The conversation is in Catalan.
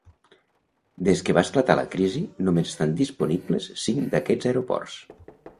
Des que va esclatar la crisi, només estan disponibles cinc d'aquests aeroports.